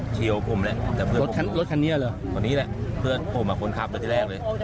เชียวผมแหละเพื่อนผมรถคันเนี่ยเหรอตอนนี้แหละเพื่อนผมอ่ะคนขับตัวที่แรกเลย